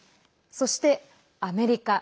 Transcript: そして、アメリカ。